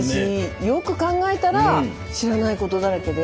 よく考えたら知らないことだらけで。